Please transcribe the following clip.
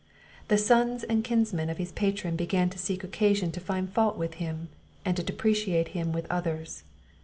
The sons and kinsmen of his patron began to seek occasion to find fault with him, and to depreciate him with others.